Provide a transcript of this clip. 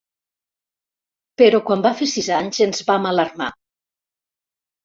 Però quan va fer sis anys ens vam alarmar.